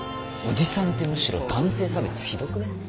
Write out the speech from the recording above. おじさんってむしろ男性差別ひどくね？